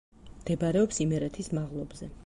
მდებარეობს იმერეთის მაღლობზე.